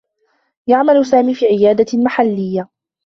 يعمل سامي في عيادة محلّيّة.